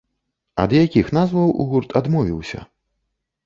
Ад якіх назваў гурт адмовіўся?